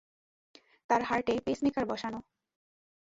তার হার্টে পেসমেকার বসানো।